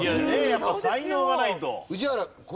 やっぱ才能がないと。